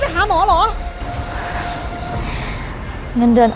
หืม